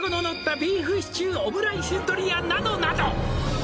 「ビーフシチューオムライスドリアなどなど」